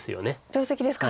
定石ですか。